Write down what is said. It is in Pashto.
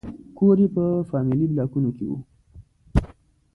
کور یې په فامیلي بلاکونو کې و.